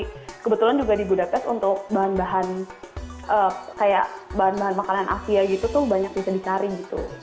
jadi kebetulan juga di budapest untuk bahan bahan kayak bahan bahan makanan asia gitu tuh banyak bisa dicari gitu